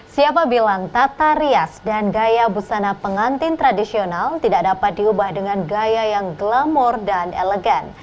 siapa bilang tata rias dan gaya busana pengantin tradisional tidak dapat diubah dengan gaya yang glamor dan elegan